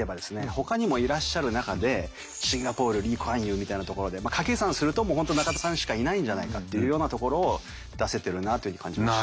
ほかにもいらっしゃる中でシンガポールリー・クアンユーみたいなところで掛け算すると本当中田さんしかいないんじゃないかっていうようなところを出せてるなというふうに感じました。